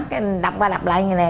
cái đập qua đập lại như này